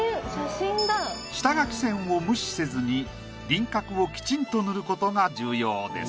下描き線を無視せずに輪郭をきちんと塗ることが重要です。